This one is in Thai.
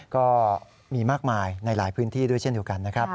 ก็มีมากมายในหลายพื้นที่ด้วยเช่นเดียวกันนะครับ